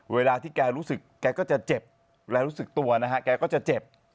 เวลาที่แกรู้สึกแกก็จะเจ็บและรู้สึกตัวนะฮะแกก็จะเจ็บ